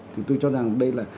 thì tôi cho rằng đây là